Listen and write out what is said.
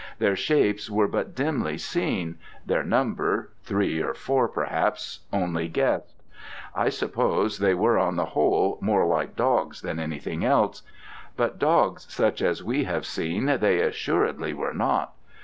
Their shapes were but dimly seen, their number three or four, perhaps, only guessed. I suppose they were on the whole more like dogs than anything else, but dogs such as we have seen they assuredly were not.